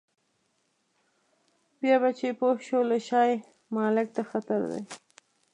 بیا به چې پوه شو له شا یې مالک ته خطر دی.